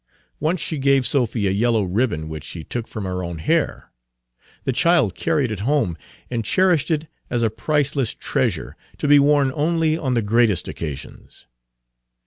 Once she gave Sophy a yellow ribbon which she took from her own hair. The child carried it home, and cherished it as a priceless treasure, to be worn only on the greatest occasions.